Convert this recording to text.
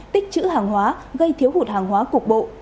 tích chữ hàng hóa gây thiếu hụt hàng hóa cục bộ